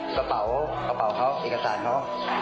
กระเป๋ากระเป๋าเขาเอกสารเขา